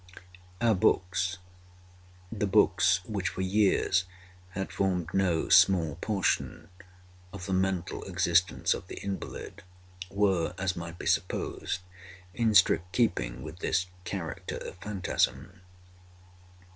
Our books—the books which, for years, had formed no small portion of the mental existence of the invalid—were, as might be supposed, in strict keeping with this character of phantasm.